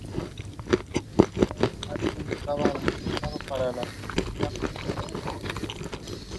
This research includes investigation into the biocompatibility and reliability of medical implants.